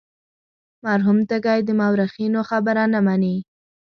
مرحوم تږی د مورخینو خبره نه مني.